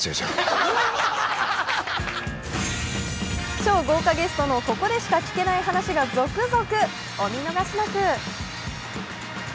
超豪華ゲストのここでしか聞けない話が続々。